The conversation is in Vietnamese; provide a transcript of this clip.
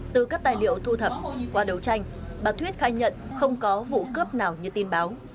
từ các tài liệu thu thập qua đấu tranh bà thuyết khai nhận không có vụ cướp nào như tin báo